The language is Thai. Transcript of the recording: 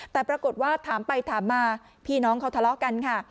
แต่ปรากฏว่าถามไปถามมาพี่น้องเขาทะเลาะกันค่ะ